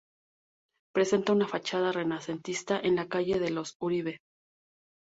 Presenta una fachada renacentista en la calle de los Uribe.